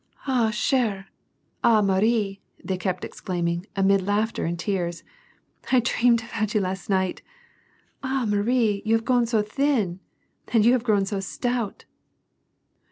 "Ah, ckh'e/" "Ah, Marie!" they kept exclaiming, amid laughter and tears. "I dreamed about you last night." " Ah, Marie, you have grown thin." "And you have grown so stout